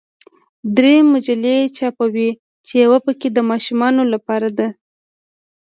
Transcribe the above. درې مجلې چاپوي چې یوه پکې د ماشومانو لپاره ده.